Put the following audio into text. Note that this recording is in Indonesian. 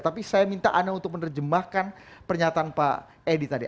tapi saya minta anda untuk menerjemahkan pernyataan pak edi tadi